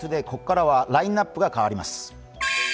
ここからラインナップが変わります。